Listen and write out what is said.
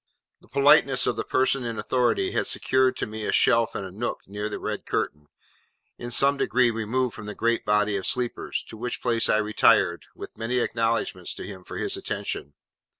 The politeness of the person in authority had secured to me a shelf in a nook near this red curtain, in some degree removed from the great body of sleepers: to which place I retired, with many acknowledgments to him for his attention.